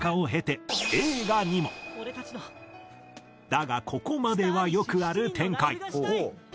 だがここまではよくある展開。